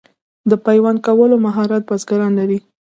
د پیوند کولو مهارت بزګران لري.